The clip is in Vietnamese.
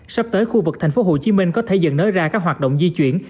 sắp tới khu vực thành phố hồ chí minh có thể dần nới ra các hoạt động di chuyển